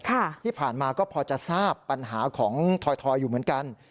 ที่ผ่านมาก็พอจะทราบปัญหาของถอยทอยอยู่เหมือนกัน